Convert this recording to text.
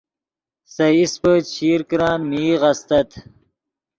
سے ایسپے چشیر کرن میغ استت